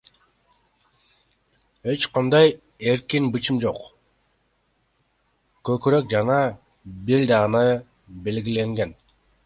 Эч кандай эркин бычым жок, көкүрөк жана бел даана белгиленген.